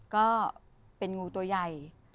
ก็เป็นงูตัวใหญ่